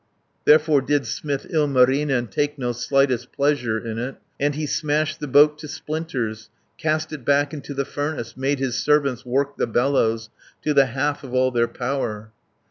350 Therefore did smith Ilmarinen Take no slightest pleasure in it, And he smashed the boat to splinters, Cast it back into the furnace; Made his servants work the bellows, To the half of all their power.